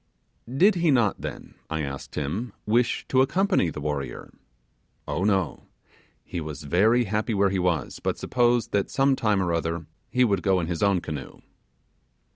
'Did he not then,' I asked him, 'wish to accompany the warrior?' 'Oh no: he was very happy where he was; but supposed that some time or other he would go in his own canoe.